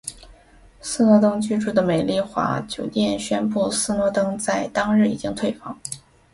斯诺登居住的美丽华酒店宣布斯诺登在当日已经退房。